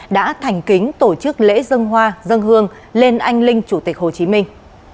đã thành kính tổ chức lễ dân hoa dân hương lên anh linh chủ tịch hồ chí minh